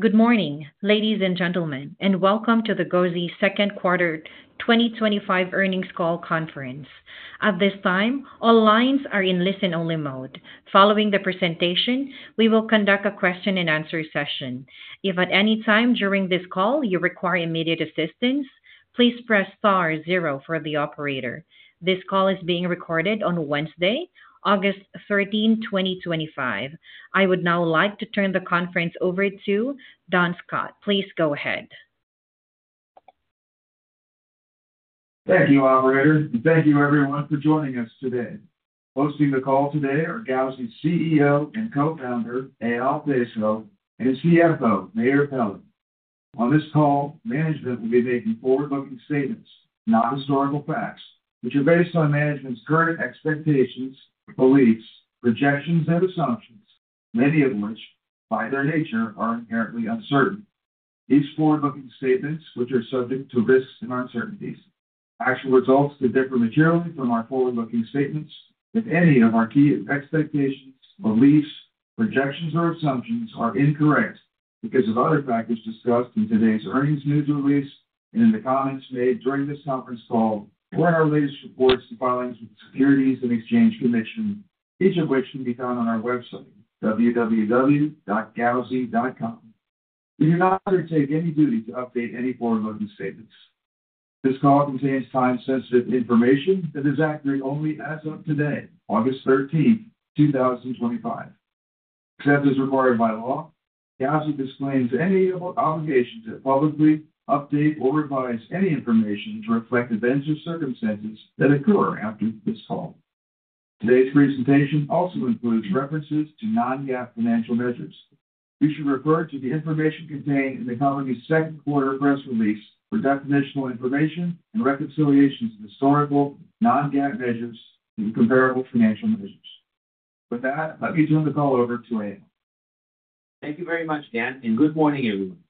Good morning, ladies and gentlemen, and welcome to the Gauzy Second Quarter 2025 Earnings Call Conference. At this time, all lines are in listen-only mode. Following the presentation, we will conduct a question-and-answer session. If at any time during this call you require immediate assistance, please press star zero for the operator. This call is being recorded on Wednesday, August 13, 2025. I would now like to turn the conference over to Dan Scott. Please go ahead. Thank you, operator, and thank you, everyone, for joining us today. Hosting the call today are Gauzy's CEO and Co-founder, Eyal Peso, and his CFO, Meir Peleg. On this call, management will be making forward-looking statements, not historical facts, which are based on management's current expectations, beliefs, projections, and assumptions, many of which, by their nature, are inherently uncertain. These forward-looking statements, which are subject to risks and uncertainties, may actually result in different materials from our forward-looking statements if any of our key expectations, beliefs, projections, or assumptions are incorrect because of other factors discussed in today's earnings news release and in the comments made during this conference call or in our latest reports to the Finance, Securities, and Exchange Commission, each of which can be found on our website, www.gauzy.com. We do not undertake any duty to update any forward-looking statements. This call contains time-sensitive information that is accurate only as of today, August 13, 2025. The call is recorded by law. Gauzy disclaims any obligation to publicly update or revise any information to reflect the events or circumstances that occur after this call. Today's presentation also includes references to non-GAAP financial measures. You should refer to the information contained in the company's second quarter press release for definitional information and reconciliations of historical non-GAAP measures and comparable financial measures. With that, let me turn the call over to Eyal. Thank you very much, Dan, and good morning, everyone.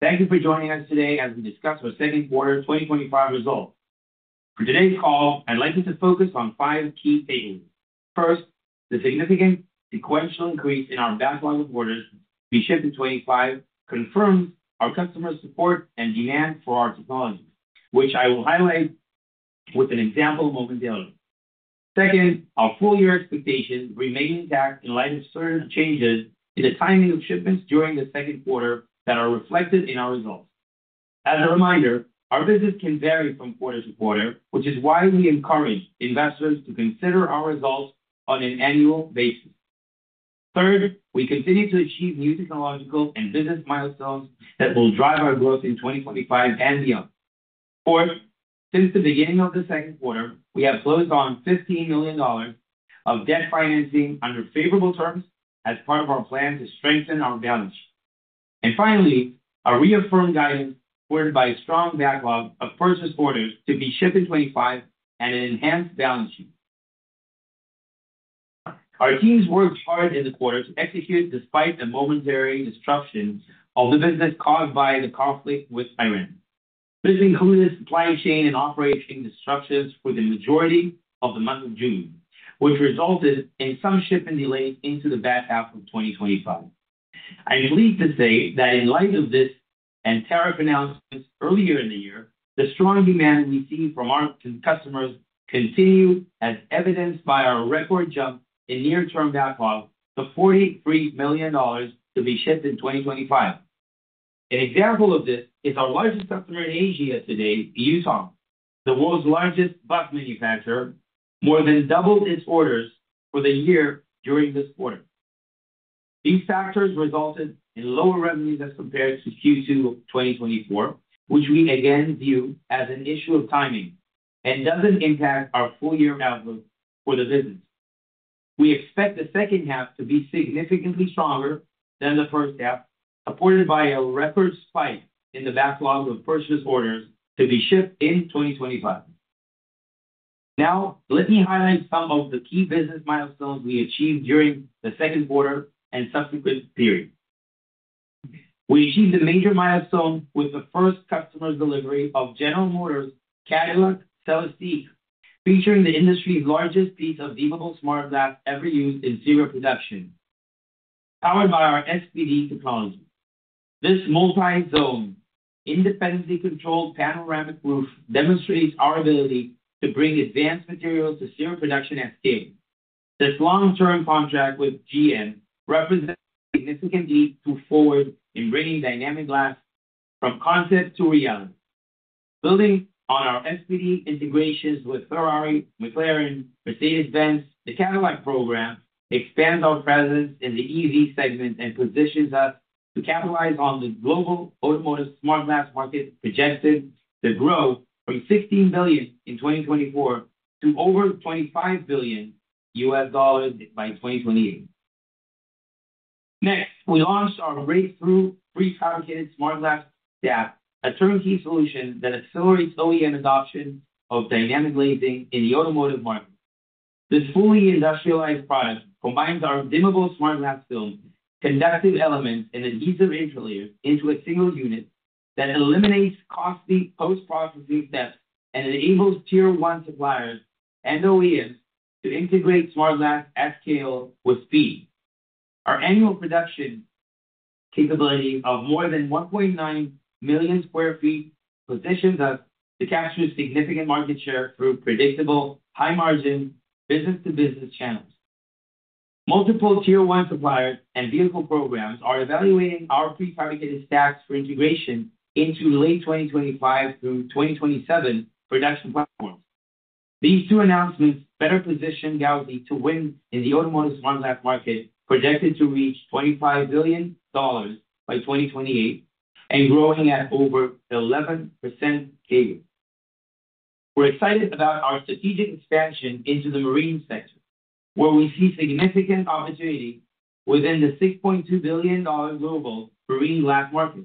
Thank you for joining us today as we discuss our second quarter 2025 results. For today's call, I'd like us to focus on five key takeaways. First, the significant sequential increase in our backlog of orders for Q2 2025 confirms our customer support and demand for our technology, which I will highlight with an example momentarily. Second, our full-year expectations remain intact in light of certain changes in the timing of shipments during the second quarter that are reflected in our results. As a reminder, our business can vary from quarter-to-quarter, which is why we encourage investors to consider our results on an annual basis. Third, we continue to achieve new technological and business milestones that will drive our growth in 2025 and beyond. Fourth, since the beginning of the second quarter, we have closed on $15 million of debt financing under favorable terms as part of our plan to strengthen our balance sheet. Finally, a reaffirmed guidance supported by a strong backlog of purchase orders to be shipped in 2025 and an enhanced balance sheet. Our teams worked hard in the quarter to execute despite a momentary disruption of the business caused by the conflict with Iran. This included supply chain and operating disruptions for the majority of the month of June, which resulted in some shipment delays into the back half of 2025. I am relieved to say that in light of this and tariff announcements earlier in the year, the strong demand we see from our customers continues as evidenced by our record jump in near-term backlog of $43 million to be shipped in 2025. An example of this is our largest customer in Asia today, Yutong, the world's largest bus manufacturer, more than doubled its orders for the year during this quarter. These factors resulted in lower revenues as compared to Q2 2024, which we again view as an issue of timing and doesn't impact our full-year outlook for the business. We expect the second half to be significantly stronger than the first half, supported by a record spike in the backlog of purchase orders to be shipped in 2025. Now, let me highlight some of the key business milestones we achieved during the second quarter and subsequent period. We achieved a major milestone with the first customer's delivery of General Motors Cadillac Celestiq, featuring the industry's largest piece of dimmable smart glass ever used in serial production, powered by our SPD technology. This multi-zone, independently controlled panoramic roof demonstrates our ability to bring advanced materials to serial production at scale. This long-term contract with General Motors represents a significant leap forward in bringing dynamic glass from concept to reality. Building on our SPD integrations with Ferrari, McLaren, Mercedes-Benz, and the Cadillac program expands our presence in the EV segment and positions us to capitalize on the global automotive smart glass market's trajectory to grow from $16 billion in 2024 to over $25 billion by 2028. Next, we launched our breakthrough prefabricated smart glass stack, a turnkey solution that accelerates OEM adoption of dynamic lensing in the automotive market. This fully industrialized product combines our dimmable smart glass film, conductive elements, and adhesive insulate into a single unit that eliminates costly post-processing steps and enables Tier 1 suppliers and OEMs to integrate smart glass at scale with speed. Our annual production capability of more than 1.9 million sq ft positions us to capture significant market share through predictable, high-margin business-to-business channels. Multiple Tier 1 suppliers and vehicle programs are evaluating our prefabricated stacks for integration into the late 2025 through 2027 production platform. These two announcements better position Gauzy to win in the automotive smart glass market, projected to reach $25 billion by 2028 and growing at over 11% CAGR. We're excited about our strategic expansion into the marine sector, where we see significant opportunity within the $6.2 billion global marine lab market.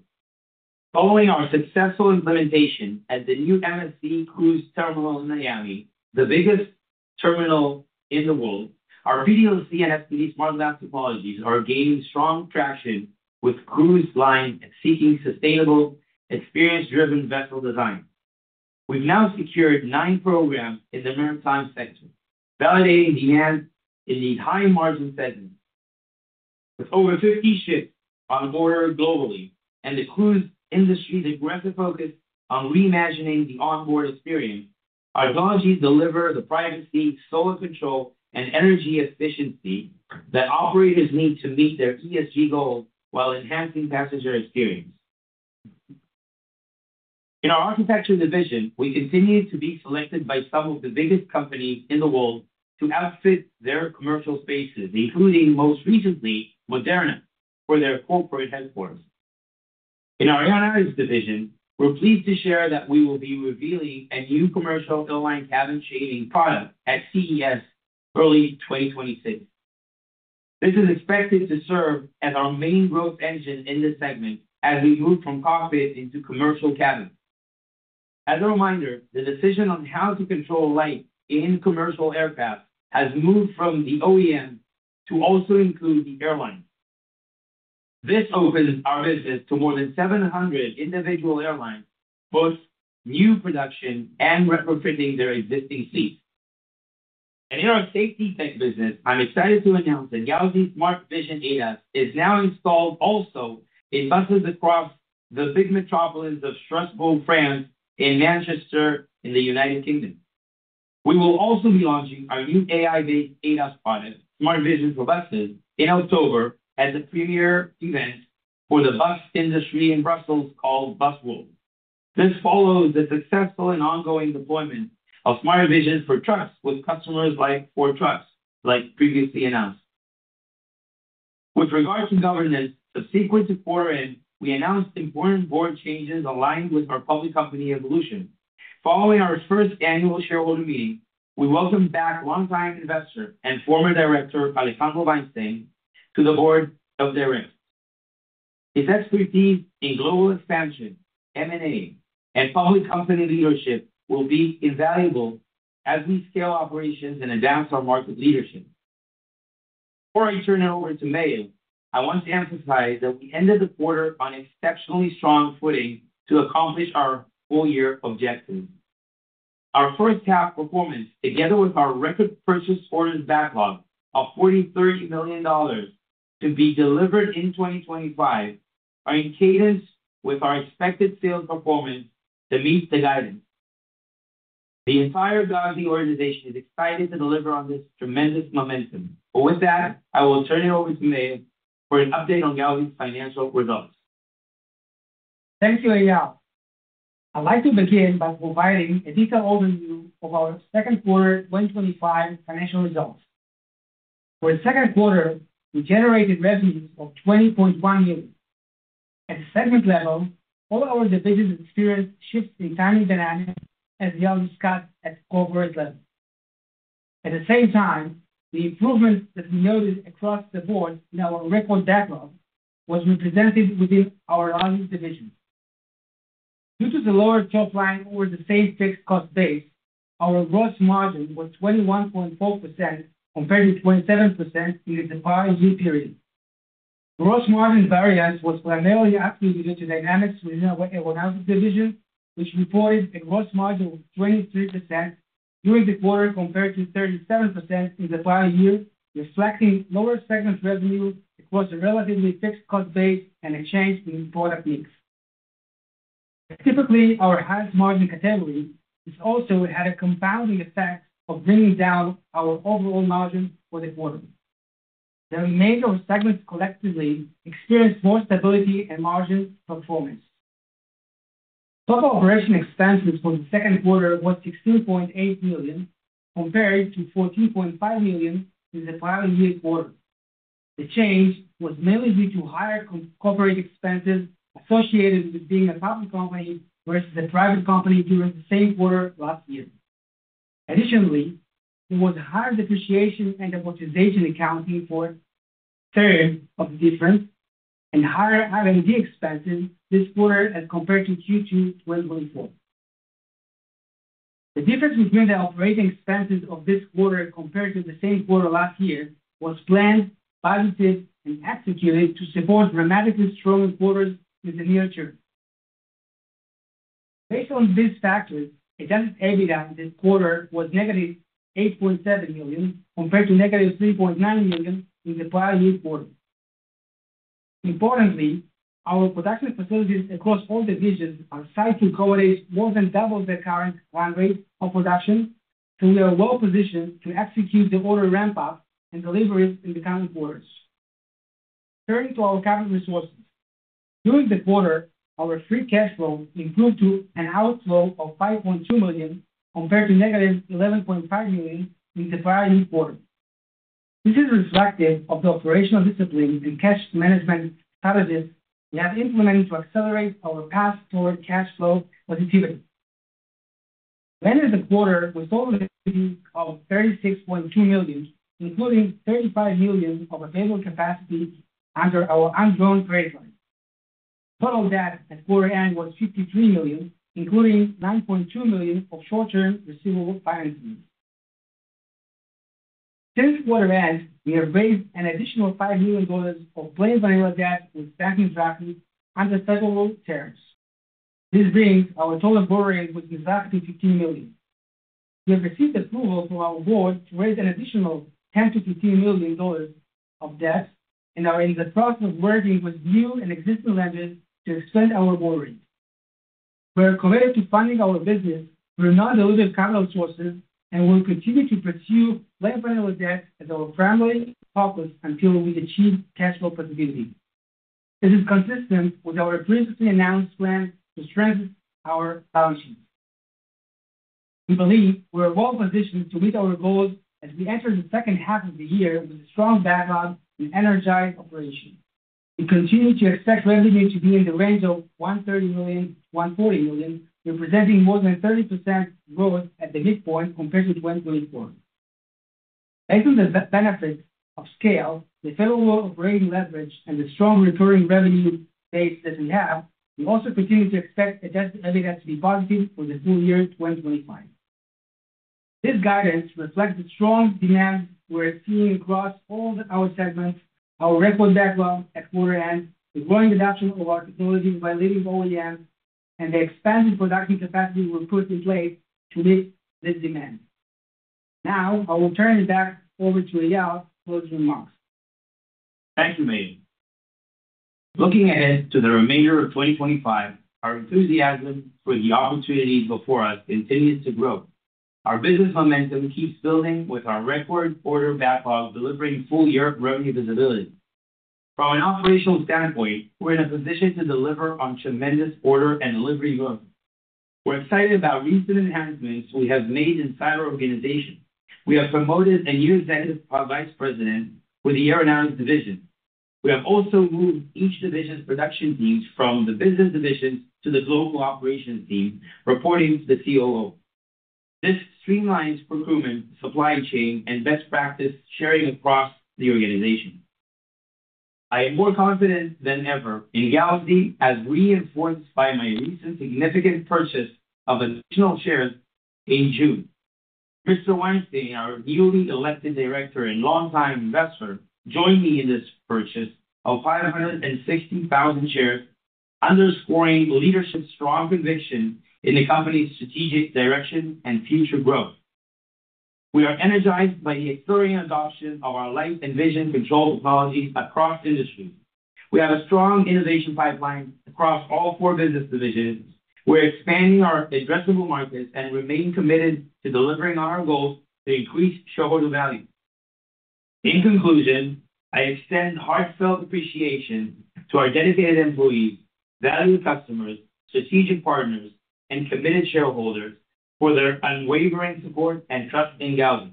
Following our successful implementation at the new MSC Cruise Terminal in Miami, the biggest terminal in the world, our PDLC and SPD smart glass technologies are gaining strong traction with cruise lines seeking sustainable, experience-driven vessel design. We've now secured nine programs in the maritime sector, validating demand in these high-margin segments. With volatility shifts on the border globally and the cruise industry's aggressive focus on reimagining the onboard experience, our technologies deliver the privacy, solar control, and energy efficiency that operators need to meet their ESG goals while enhancing passenger experience. In our architecture division, we continue to be selected by some of the biggest companies in the world to outfit their commercial spaces, including most recently Moderna for their corporate headquarters. In our Aeronautics division, we're pleased to share that we will be revealing a new commercial airline cabin shading product at CES early 2026. This is expected to serve as our main growth engine in this segment as we move from cockpit into commercial cabins. As a reminder, the decision on how to control light in commercial aircraft has moved from the OEM to also include the airline. This opens our business to more than 700 individual airlines, both new production and retrofitting their existing fleet. In our safety tech visit, I'm excited to announce that Gauzy Smart-Vision AF is now installed also in buses across the big metropolises of Strasbourg, France, and Manchester in the United Kingdom. We will also be launching our new AI-based AF product, Smart-Vision for Buses, in October at the premier event for the bus industry in Brussels called Bus World. This follows the successful and ongoing deployment of Smart-Vision for trucks with customers like Ford Trucks, like previously announced. With regards to governance, subsequent to quarter end, we announced important board changes aligned with our public company evolution. Following our first annual shareholder meeting, we welcomed back longtime investor and former director, Alejandro Weinstein, to the board of Gauzy. His expertise in global expansion, M&A, and public company leadership will be invaluable as we scale operations and advance our market leadership. Before I turn it over to Meir, I want to emphasize that we ended the quarter on exceptionally strong footing to accomplish our full-year objectives. Our first half performance, together with our record purchase orders backlog of $43 million to be delivered in 2025, are in cadence with our expected sales performance that meets the guidance. The entire Gauzy organization is excited to deliver on this tremendous momentum. I will turn it over to Meir for an update on Gauzy's financial results. Thank you, Eyal. I'd like to begin by providing a detailed overview of our second quarter 2025 financial results. For the second quarter, we generated revenue of $20.1 million. At the segment level, all our divisions experienced shifts in timing dynamics as Eyal discussed at the corporate level. At the same time, the improvement that we noticed across the board in our record backlog was represented within our R&D division. Due to the lower top line over the same fixed cost base, our gross margin was 21.4% compared to 27% in the prior year period. Gross margin variance was primarily attributed to dynamics within our Aeronautics division, which reported a gross margin of 23% during the quarter compared to 37% in the prior year, reflecting lower segment revenue across a relatively fixed cost base and a change in product mix. Specifically, our highest margin category also had a compounding effect of bringing down our overall margin for the quarter. The remainder of the segments collectively experienced more stability and margin performance. Total operating expenses for the second quarter were $16.8 million compared to $14.5 million in the prior year quarter. The change was mainly due to higher corporate expenses associated with being a public company versus a private company during the same quarter last year. Additionally, there was a higher depreciation and amortization accounting for a third of the difference and higher R&D expenses this quarter as compared to Q2 2024. The difference between the operating expenses of this quarter compared to the same quarter last year was planned, budgeted, and executed to support dramatically stronger quarters in the near term. Based on these factors, it is evident this quarter was -$8.7 million compared to -$3.9 million in the prior year quarter. Importantly, our production facilities across all divisions are sized to accommodate more than double the current run rate of production, so we are well positioned to execute the order ramp-up and deliveries in the coming quarters. Turning to our cash resources, during the quarter, our free cash flow improved to an outflow of $5.2 million compared to -$11.5 million in the prior year quarter. This is reflective of the operational discipline and cash management strategies we have implemented to accelerate our path toward cash flow positivity. The end of the quarter was total activity of $36.2 million, including $35 million of available capacity under our unjoined trade line. Following that, at quarter end, was $53 million, including $9.2 million of short-term receivable financing. Since quarter end, we have raised an additional $5 million of plain vanilla debt in stacking taxes under federal tariffs. This brings our total borrowing within roughly $15 million. We have received approval from our board to raise an additional $10 to $15 million of debt and are in the process of merging with new and existing lenders to extend our borrowing. We are committed to funding our business through non-dilutive capital sources and will continue to pursue plain vanilla debt as our primary focus until we achieve cash flow positivity. This is consistent with our previously announced plan to strengthen our value. We believe we are well positioned to meet our goals as we enter the second half of the year with a strong backlog and energized operations. We continue to expect revenue to be in the range of $130 million - $140 million, representing more than 30% growth at the midpoint compared to the 2020 quarter. Based on the benefits of scale, the federal role of rating leverage, and the strong recurring revenue base that we have, we also continue to expect adjusted EBITDA to be positive for the full year 2025. This guidance reflects the strong demand we're seeing across all our segments, our record backlog at quarter end, the growing adoption of our technology by leading OEMs, and the expanded production capacity we've put in place to meet this demand. Now, I will turn it back over to Eyal to close remarks. Thank you, Meir. Looking ahead to the remainder of 2025, our enthusiasm for the opportunity before us continues to grow. Our business momentum keeps building with our record order backlog delivering full-year revenue visibility. From an operational standpoint, we're in a position to deliver on tremendous order and delivery growth. We're excited about recent enhancements we have made inside our organization. We have promoted a new Executive Vice President for the airlines division. We have also moved each division's production teams from the business division to the global operations team, reporting to the COO. This streamlines procurement, supply chain, and best practice sharing across the organization. I am more confident than ever in Gauzy as reinforced by my recent significant purchase of additional shares in June. Mr. Weinstein, our newly elected director and longtime investor, joined me in this purchase of 560,000 shares, underscoring the leadership's strong conviction in the company's strategic direction and future growth. We are energized by the encouraging adoption of our light and vision control technology across industries. We have a strong innovation pipeline across all four business divisions. We're expanding our addressable markets and remain committed to delivering on our goals to increase shareholder value. In conclusion, I extend heartfelt appreciation to our dedicated employees, valued customers, strategic partners, and committed shareholders for their unwavering support and trust in Gauzy.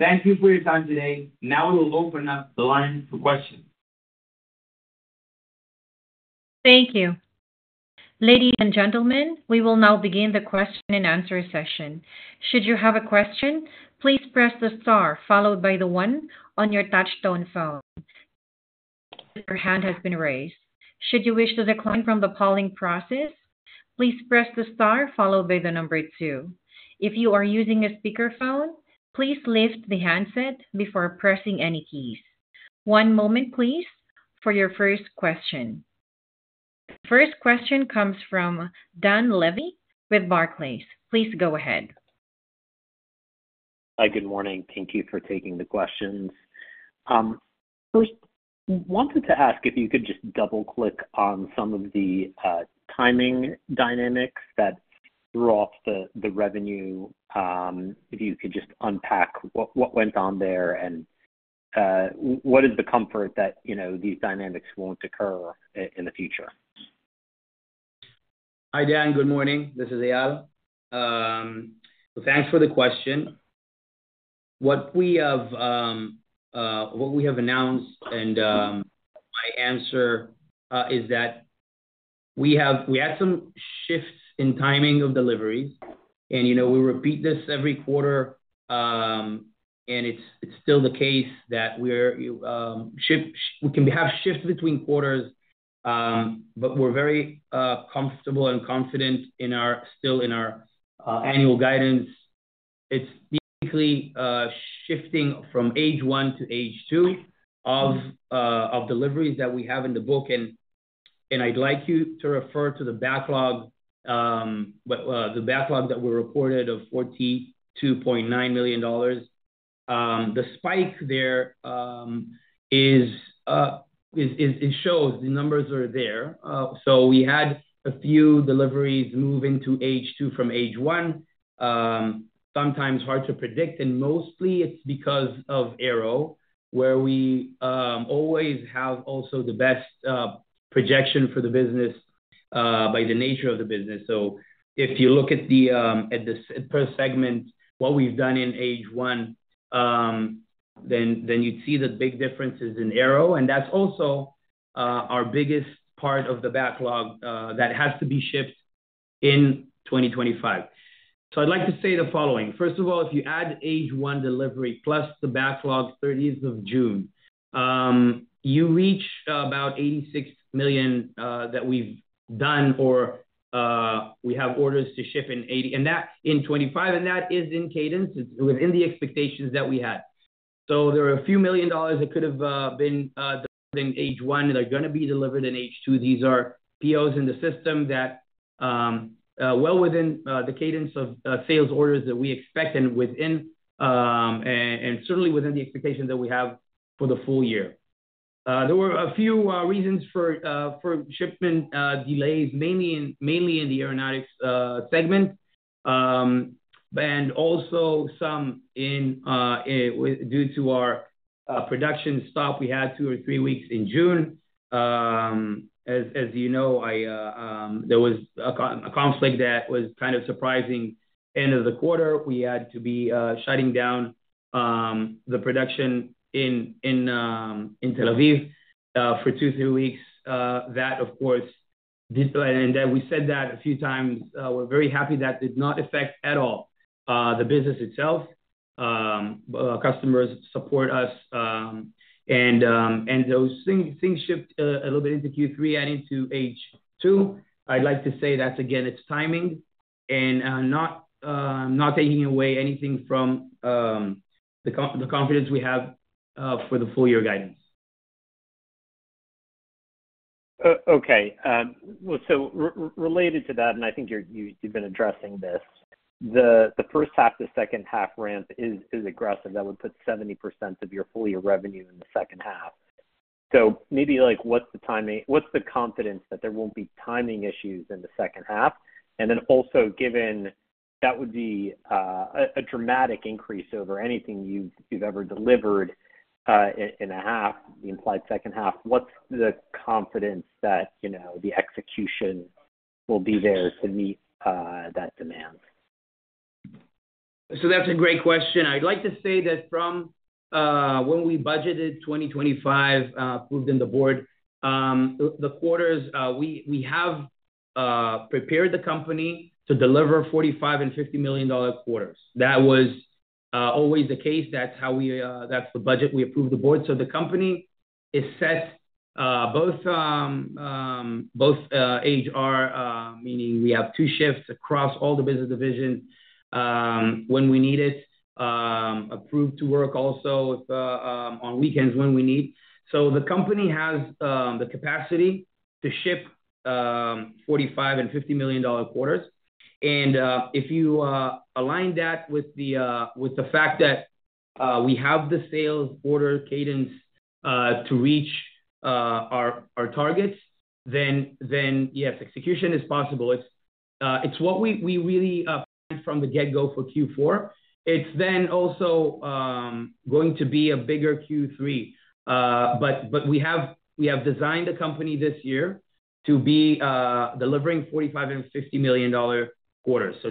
Thank you for your time today. Now we will open up the line for questions. Thank you. Ladies and gentlemen, we will now begin the question-and-answer session. Should you have a question, please press the star followed by the one on your touchtone phone. Your hand has been raised. Should you wish to decline from the polling process, please press the star followed by the number two. If you are using a speakerphone, please lift the handset before pressing any keys. One moment, please, for your first question. First question comes from Dan Levy with Barclays. Please go ahead. Hi, good morning. Thank you for taking the questions. I wanted to ask if you could just double-click on some of the timing dynamics that brought the revenue, if you could just unpack what went on there and what is the comfort that these dynamics won't occur in the future? Hi, Dan. Good morning. This is Eyal. Thanks for the question. What we have announced and my answer is that we had some shifts in timing of deliveries. You know we repeat this every quarter, and it's still the case that we can have shifts between quarters, but we're very comfortable and confident in our still annual guidance. It's basically shifting from H1 to H2 of deliveries that we have in the book. I'd like you to refer to the backlog that we reported of $42.9 million. The spike there is, it shows the numbers are there. We had a few deliveries move into H2 from H1. Sometimes hard to predict, and mostly it's because of aero, where we always have also the best projection for the business by the nature of the business. If you look at the per segment, what we've done in H1, then you'd see the big differences in aero. That's also our biggest part of the backlog that has to be shipped in 2025. I'd like to say the following. First of all, if you add H1 delivery plus the backlog 30th of June, you reach about $86 million that we've done or we have orders to ship in 2025, and that is in cadence within the expectations that we had. There are a few million dollars that could have been in H1 that are going to be delivered in H2. These are POs in the system that are well within the cadence of sales orders that we expect and certainly within the expectations that we have for the full year. There were a few reasons for shipment delays, mainly in the aeronautics segment, and also some due to our production stop we had two or three weeks in June. As you know, there was a conflict that was kind of surprising at the end of the quarter. We had to be shutting down the production in Tel Aviv for two or three weeks. That, of course, did, and we said that a few times, we're very happy that did not affect at all the business itself. Customers support us, and those things shipped a little bit into Q3 and into H2. I'd like to say that, again, it's timing and not taking away anything from the confidence we have for the full-year guidance. Okay. Related to that, and I think you've been addressing this, the first half to second half ramp is aggressive. That would put 70% of your full-year revenue in the second half. Maybe what's the timing, what's the confidence that there won't be timing issues in the second half? Also, given that would be a dramatic increase over anything you've ever delivered in a half, the implied second half, what's the confidence that the execution will be there to meet that demand? That's a great question. I'd like to say that from when we budgeted 2025, approved in the board, the quarters, we have prepared the company to deliver $45 million and $50 million quarters. That was always the case. That's how we, that's the budget we approved the board. The company assessed both HR, meaning we have two shifts across all the business divisions when we need it, approved to work also on weekends when we need. The company has the capacity to ship $45 million and $50 million quarters. If you align that with the fact that we have the sales order cadence to reach our targets, then yes, execution is possible. It's what we really planned from the get-go for Q4. It's also going to be a bigger Q3. We have designed the company this year to be delivering $45 million and $50 million quarters.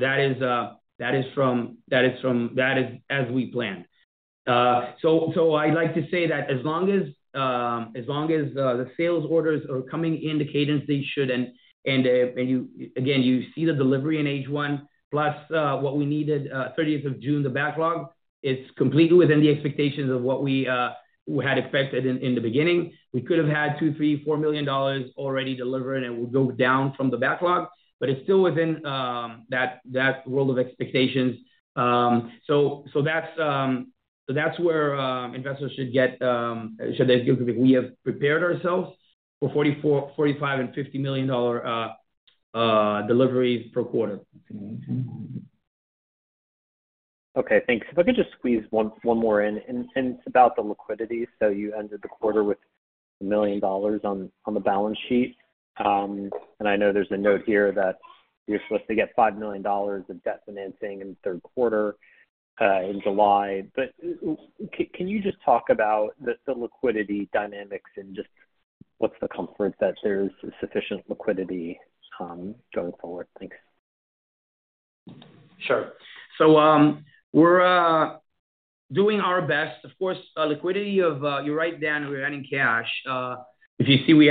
That is as we planned. I'd like to say that as long as the sales orders are coming in the cadence they should, and again, you see the delivery in H1, plus what we needed June 30, the backlog, it's completely within the expectations of what we had expected in the beginning. We could have had $2 million, $3 million, $4 million already delivered, and it would go down from the backlog, but it's still within that world of expectations. That's where investors should get, should they feel that we have prepared ourselves for $44 million, $45 million, and $50 million deliveries per quarter. Okay, thanks. If I could just squeeze one more in, and it's about the liquidity. You ended the quarter with $1 million on the balance sheet. I know there's a note here that you're supposed to get $5 million of debt financing in the third quarter in July. Can you just talk about the liquidity dynamics and what's the comfort that there's sufficient liquidity going forward? Thanks. Sure. We're doing our best. Of course, liquidity of, you're right, Dan, we're adding cash. If you see, we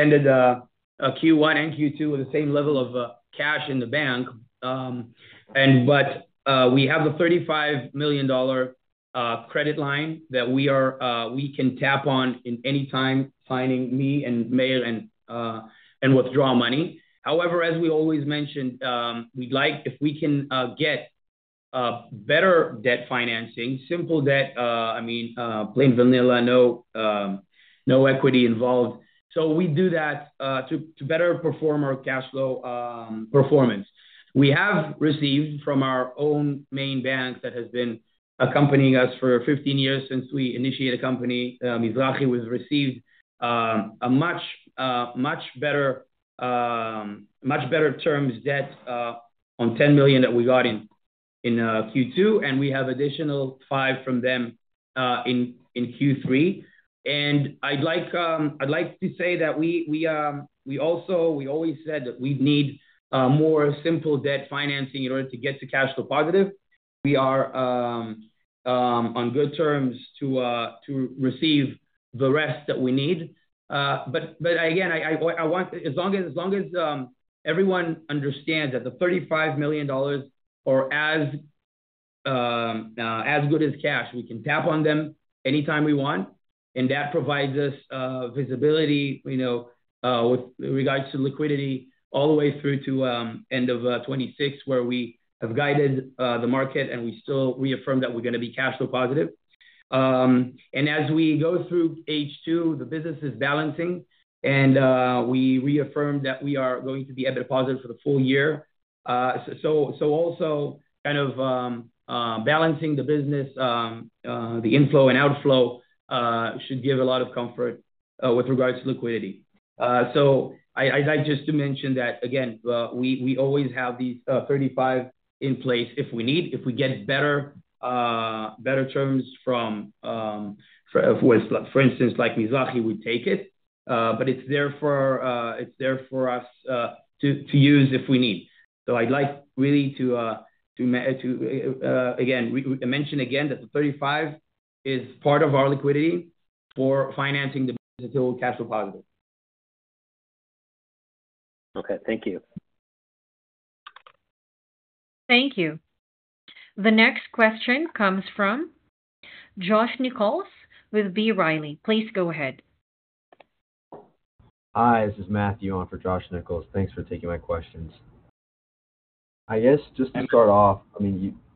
ended Q1 and Q2 with the same level of cash in the bank. We have the $35 million credit line that we can tap on at any time, signing me and Meir and withdraw money. However, as we always mentioned, we'd like, if we can get better debt financing, simple debt, I mean, plain vanilla, no equity involved. We do that to better perform our cash flow performance. We have received from our own main bank that has been accompanying us for 15 years since we initiated the company, Mizrahi, we've received much, much better terms debt on $10 million that we got in Q2. We have additional $5 million from them in Q3. I'd like to say that we also, we always said that we'd need more simple debt financing in order to get to cash flow positive. We are on good terms to receive the rest that we need. Again, I want as long as everyone understands that the $35 million are as good as cash. We can tap on them anytime we want. That provides us visibility with regards to liquidity all the way through to the end of 2026, where we have guided the market and we still reaffirm that we're going to be cash flow positive. As we go through H2, the business is balancing, and we reaffirm that we are going to be at a deposit for the full year. Also, kind of balancing the business, the inflow and outflow should give a lot of comfort with regards to liquidity. I'd like just to mention that, again, we always have these $35 million in place if we need, if we get better terms from, for instance, like Mizrahi, we take it. It's there for us to use if we need. I'd like really to, again, mention again that the $35 million is part of our liquidity for financing the business until cash flow positive. Okay, thank you. Thank you. The next question comes from Josh Nichols with B. Riley. Please go ahead. Hi, this is Matthew on for Josh Nichols. Thanks for taking my questions. I guess just to start off,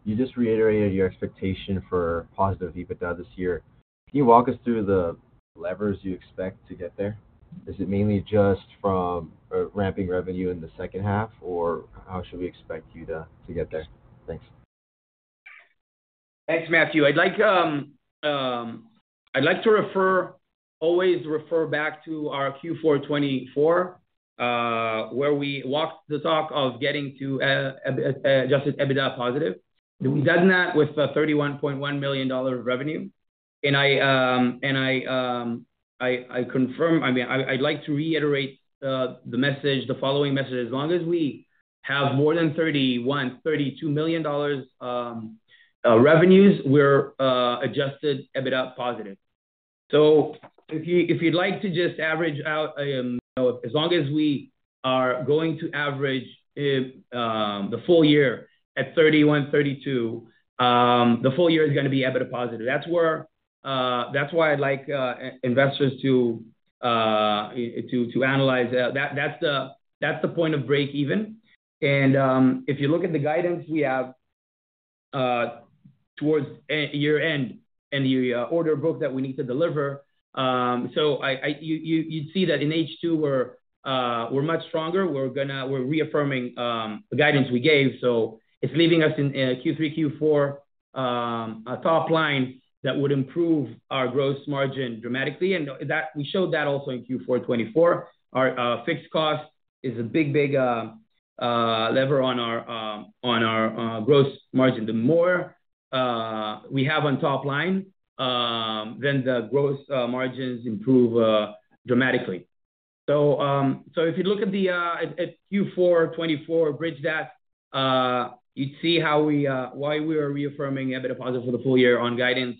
you just reiterated your expectation for positive EBITDA this year. Can you walk us through the levers you expect to get there? Is it mainly just from ramping revenue in the second half, or how should we expect you to get there? Thanks. Thanks, Matthew. I'd like to always refer back to our Q4 2024, where we walked the talk of getting to adjusted EBITDA positive. We've done that with $31.1 million revenue. I confirm, I mean, I'd like to reiterate the following message. As long as we have more than $31 million, $32 million revenues, we're adjusted EBITDA positive. If you'd like to just average out, as long as we are going to average the full year at $31 million, $32 million, the full year is going to be EBITDA positive. That's why I'd like investors to analyze that. That's the point of break even. If you look at the guidance we have towards year-end and the order book that we need to deliver, you'd see that in H2, we're much stronger. We're reaffirming the guidance we gave. It's leaving us in Q3, Q4 top line that would improve our gross margin dramatically. We showed that also in Q4 2024. Our fixed cost is a big, big lever on our gross margin. The more we have on top line, then the gross margins improve dramatically. If you look at Q4 2024 bridge that, you'd see why we are reaffirming EBITDA positive for the full year on guidance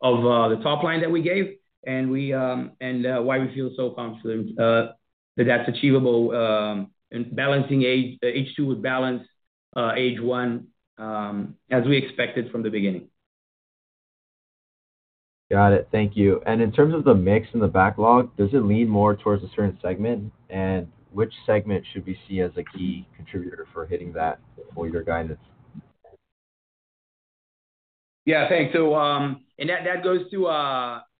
of the top line that we gave and why we feel so confident that that's achievable, balancing H2 with balanced H1 as we expected from the beginning. Got it. Thank you. In terms of the mix in the backlog, does it lean more towards a certain segment? Which segment should we see as a key contributor for hitting that for your guidance? Yeah, thanks. That goes to,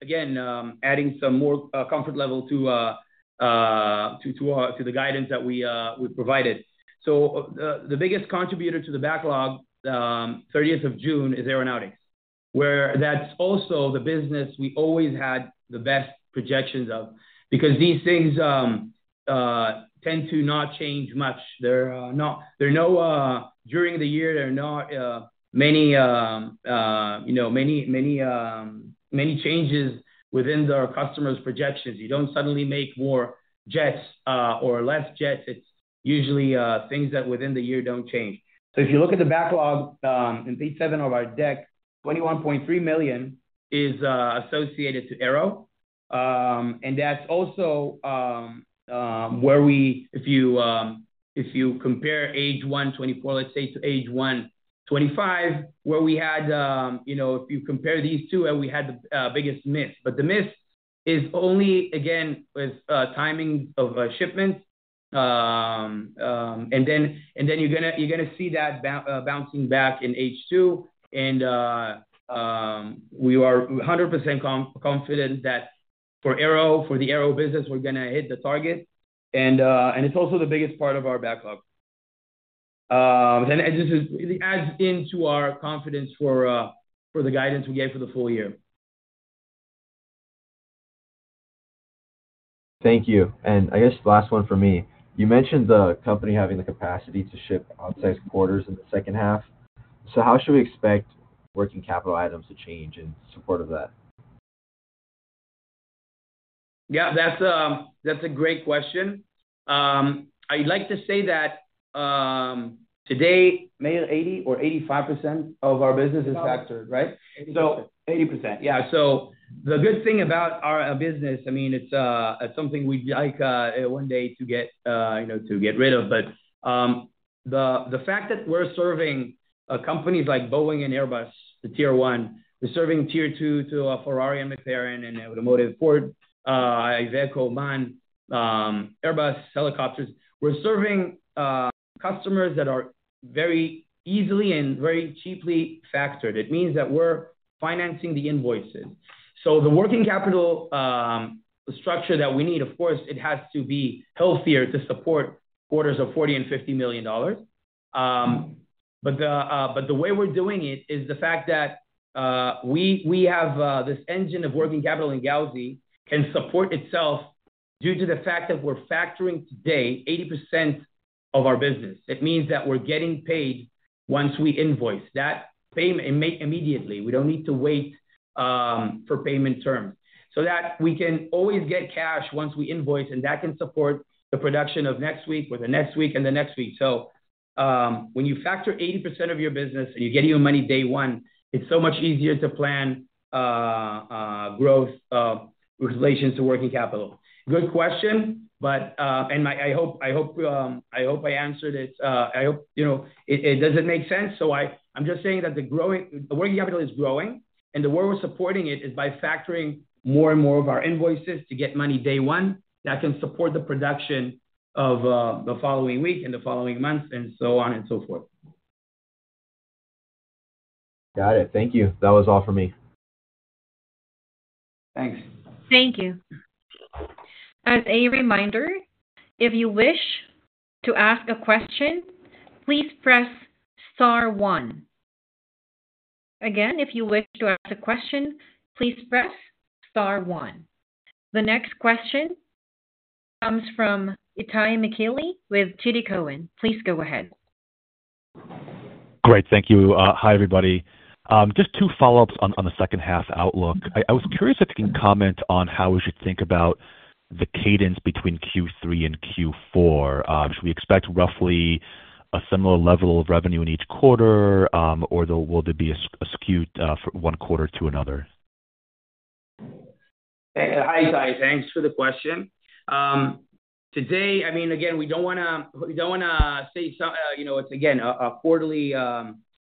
again, adding some more comfort level to the guidance that we provided. The biggest contributor to the backlog, as of June 30, is aeronautics, where that's also the business we always had the best projections of because these things tend to not change much. During the year, there are not many changes within our customers' projections. You don't suddenly make more jets or less jets. It's usually things that within the year don't change. If you look at the backlog in page seven of our deck, $21.3 million is associated to aero. That's also where we, if you compare H1 2024, let's say, to H1 2025, where we had, you know, if you compare these two, we had the biggest miss. The miss is only, again, with timing of shipments. You're going to see that bouncing back in H2. We are 100% confident that for aero, for the aero business, we're going to hit the target. It's also the biggest part of our backlog. This really adds into our confidence for the guidance we gave for the full year. Thank you. I guess the last one for me, you mentioned the company having the capacity to ship outside quarters in the second half. How should we expect working capital items to change in support of that? Yeah, that's a great question. I'd like to say that today, maybe 80% or 85% of our business is factored, right? 80%. Yeah. The good thing about our business, I mean, it's something we'd like one day to get rid of. The fact that we're serving companies like Boeing and Airbus, the Tier 1, we're serving Tier 2 to a Ferrari and McLaren and an automotive port, Iveco, MAN, Airbus helicopters. We're serving customers that are very easily and very cheaply factored. It means that we're financing the invoices. The working capital structure that we need, of course, it has to be healthier to support quarters of $40 million and $50 million. The way we're doing it is the fact that we have this engine of working capital in Gauzy can support itself due to the fact that we're factoring today 80% of our business. It means that we're getting paid once we invoice that payment immediately. We don't need to wait for payment terms. We can always get cash once we invoice, and that can support the production of next week or the next week and the next week. When you factor 80% of your business and you get your money day one, it's so much easier to plan growth with relation to working capital. Good question. I hope I answered it. I hope, you know, it doesn't make sense. I'm just saying that the working capital is growing, and the way we're supporting it is by factoring more and more of our invoices to get money day one that can support the production of the following week and the following month and so on and so forth. Got it. Thank you. That was all for me. Thanks. Thank you. As a reminder, if you wish to ask a question, please press star one. Again, if you wish to ask a question, please press star one. The next question comes from Itay Michaeli with TD Cowen. Please go ahead. Great. Thank you. Hi, everybody. Just two follow-ups on the second half outlook. I was curious if you can comment on how we should think about the cadence between Q3 and Q4. Should we expect roughly a similar level of revenue in each quarter, or will there be a skewed one quarter to another? Hi, guys. Thanks for the question. Today, I mean, again, we don't want to say, you know, quarterly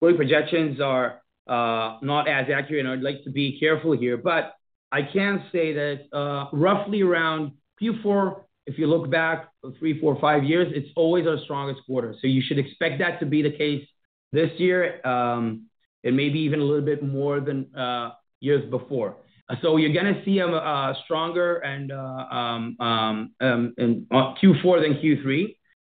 projections are not as accurate, and I'd like to be careful here. I can say that roughly around Q4, if you look back three, four, five years, it's always our strongest quarter. You should expect that to be the case this year and maybe even a little bit more than years before. You're going to see a stronger Q4 than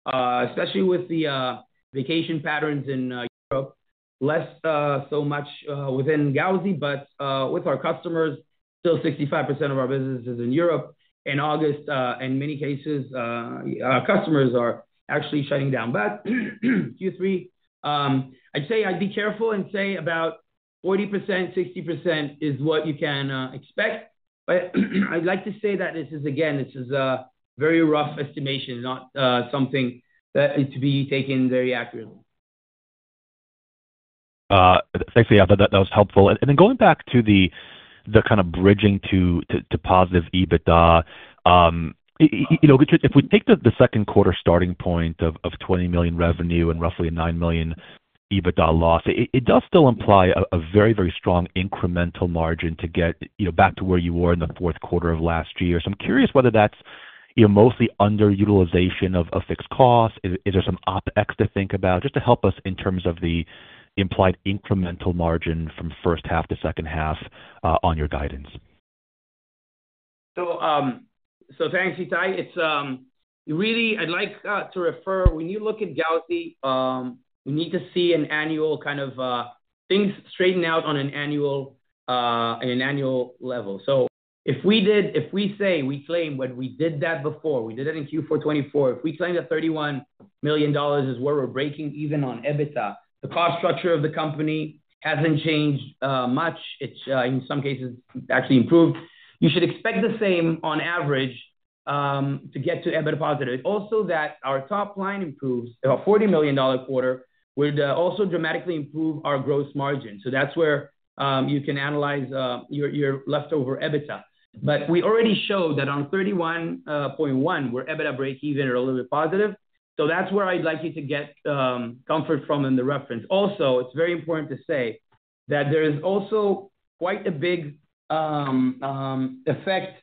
Q3, especially with the vacation patterns in Europe, less so much within Gauzy, but with our customers. Still, 65% of our business is in Europe. In August, in many cases, our customers are actually shutting down. Q3, I'd say I'd be careful and say about 40%, 60% is what you can expect. I'd like to say that this is, again, a very rough estimation, not something that is to be taken very accurately. Thanks, That was helpful. Going back to the kind of bridging to positive EBITDA, if we take the second quarter starting point of $20 million revenue and roughly a $9 million EBITDA loss, it does still imply a very, very strong incremental margin to get back to where you were in the fourth quarter of last year. I'm curious whether that's mostly underutilization of fixed costs. Is there some OpEx to think about just to help us in terms of the implied incremental margin from first half to second half on your guidance? Thanks, Itay. Really, I'd like to refer, when you look at Gauzy, we need to see an annual kind of things straighten out on an annual level. If we say we claim what we did before, we did it in Q4 2024, if we claim that $31 million is where we're breaking even on EBITDA, the cost structure of the company hasn't changed much. It's, in some cases, actually improved. You should expect the same on average to get to EBITDA positive. Also, that our top line improves about $40 million quarter would also dramatically improve our gross margin. That's where you can analyze your leftover EBITDA. We already showed that on $31.1 million, where EBITDA break even or a little bit positive. That's where I'd like you to get comfort from in the reference. Also, it's very important to say that there is also quite a big effect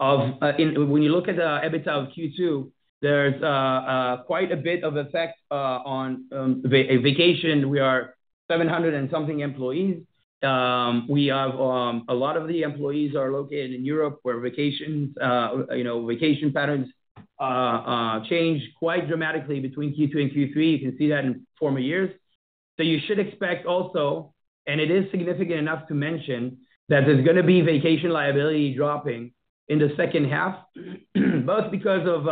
of, when you look at the EBITDA of Q2, there's quite a bit of effect on vacation. We are 700 and something employees. We have a lot of the employees located in Europe, where vacation patterns change quite dramatically between Q2 and Q3. You can see that in former years. You should expect also, and it is significant enough to mention, that there's going to be vacation liability dropping in the second half, both because of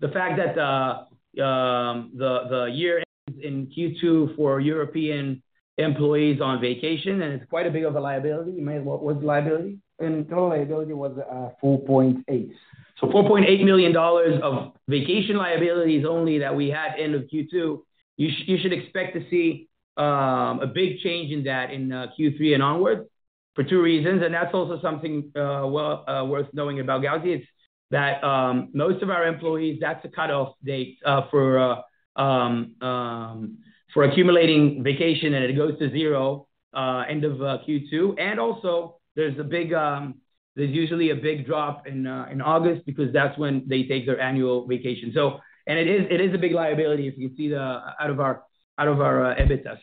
the fact that the year ends in Q2 for European employees on vacation, and it's quite a bit of a liability. What was the liability? The total liability was $4.8 million. So $4.8 million of vacation liabilities only that we had end of Q2. You should expect to see a big change in that in Q3 and onward for two reasons. That's also something worth knowing about Gauzy. It's that most of our employees, that's the cutoff date for accumulating vacation, and it goes to zero end of Q2. Also, there's usually a big drop in August because that's when they take their annual vacation. It is a big liability if you can see the out of our EBITDA.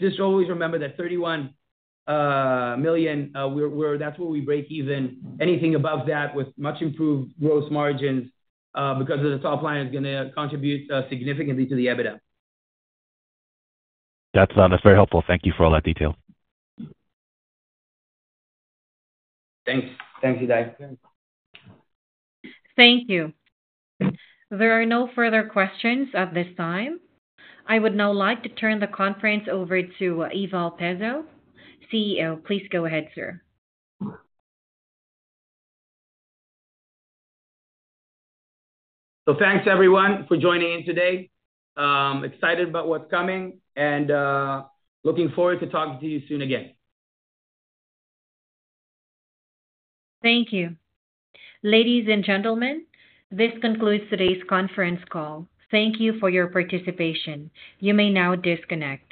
Just always remember that $31 million, that's where we break even. Anything above that with much improved gross margins because of the top line is going to contribute significantly to the EBITDA. That's very helpful. Thank you for all that detail. Thanks, Itay. Thank you. There are no further questions at this time. I would now like to turn the conference over to Eyal Peso, CEO. Please go ahead, sir. Thank you, everyone, for joining in today. Excited about what's coming and looking forward to talking to you soon again. Thank you. Ladies and gentlemen, this concludes today's conference call. Thank you for your participation. You may now disconnect.